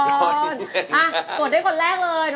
อะกดให้คนแรกเลย